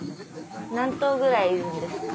何頭ぐらいいるんですか？